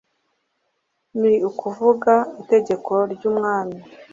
Ni ukuvuga itegeko ry’umwami